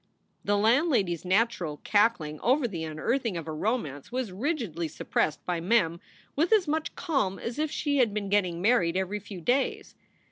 The landlady s natural cackling over the unearthing of a romance was rigidly suppressed by Mem with as much calm as if she had been getting married every few days.